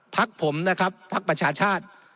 พักผมนะครับภักดิ์ประชาชาติ